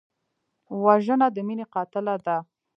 وژنه د مینې قاتله ده